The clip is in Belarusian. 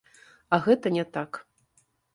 А гэта не так.